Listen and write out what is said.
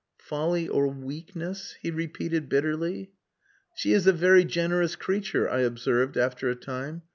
"Folly or weakness," he repeated bitterly. "She is a very generous creature," I observed after a time.